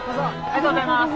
ありがとうございます。